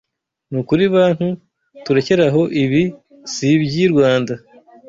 nukuri bantu turekere aho ibi siby’i Rwanda;